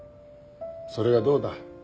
それがどうだ？